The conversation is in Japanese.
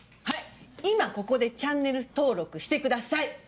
はい今ここでチャンネル登録してください。